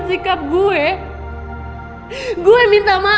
lho kalau dia